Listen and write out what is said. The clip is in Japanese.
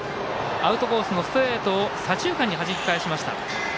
アウトコースのストレートを左中間にはじき返しました。